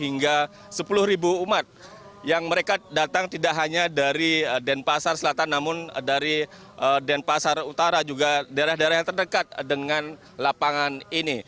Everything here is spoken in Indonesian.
hingga sepuluh umat yang mereka datang tidak hanya dari denpasar selatan namun dari denpasar utara juga daerah daerah yang terdekat dengan lapangan ini